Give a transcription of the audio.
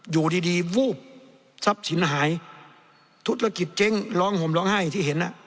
อยู่ดีดีวูบทรัพย์สินหายธุรกิจเจ๊งร้องห่มร้องไห้ที่เห็นอ่ะ